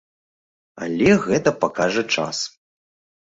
Але гэта пакажа час.